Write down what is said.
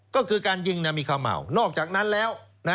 ก็คือการยิงมีขม่านอกจากนั้นแล้ว